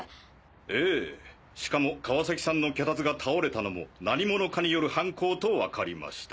ええしかも川崎さんの脚立が倒れたのも何者かによる犯行とわかりました。